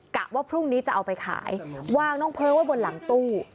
ว่าพรุ่งนี้จะเอาไปขายวางน้องเพ้อไว้บนหลังตู้